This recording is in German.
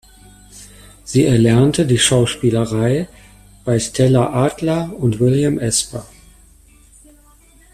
Sie erlernte die Schauspielerei bei Stella Adler und William Esper.